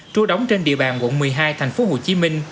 trua đóng trên địa bàn quận một mươi hai tp hcm